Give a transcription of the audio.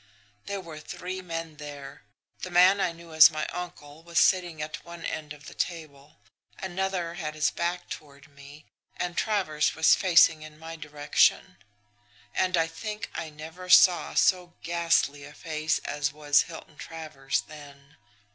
There were three men there. The man I knew as my uncle was sitting at one end of the table; another had his back toward me; and Travers was facing in my direction and I think I never saw so ghastly a face as was Hilton Travers' then.